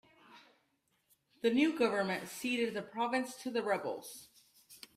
The new government ceded the province to the rebels.